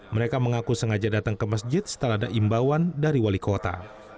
mereka mengaku sengaja datang ke masjid setelah ada imbauan dari wali kota